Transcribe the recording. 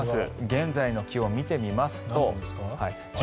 現在の気温を見てみますと１６．６度。